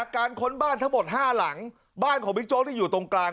ค้นบ้านทั้งหมด๕หลังบ้านของบิ๊กโจ๊กที่อยู่ตรงกลาง